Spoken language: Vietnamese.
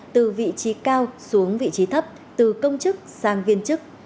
từ vị trí cao xuống vị trí thấp từ công chức sang viên chức